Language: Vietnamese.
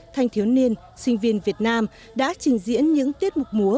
thanh thiếu niên sinh viên việt nam đã trình diễn những tiết mục múa